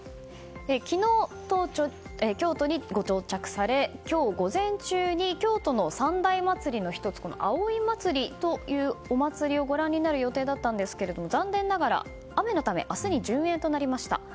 昨日、京都にご到着され今日午前中に京都の三大祭りの１つ葵祭というお祭りをご覧になる予定だったんですが残念ながら雨のため明日に順延となりました。